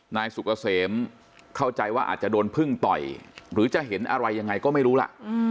นายสุกเกษมเข้าใจว่าอาจจะโดนพึ่งต่อยหรือจะเห็นอะไรยังไงก็ไม่รู้ล่ะ